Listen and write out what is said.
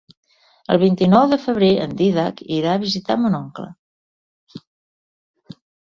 El vint-i-nou de febrer en Dídac irà a visitar mon oncle.